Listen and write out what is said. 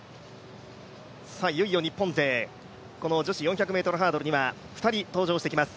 いよいよ日本勢、この女子４００ｍハードルには２人、登場してきます。